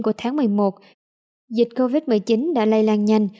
của tháng một mươi một dịch covid một mươi chín đã lây lan nhanh